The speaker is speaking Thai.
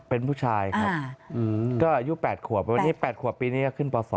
เป็นผู้ชายครับก็อายุ๘ขวบปีนี้ก็ขึ้นป๒ครับ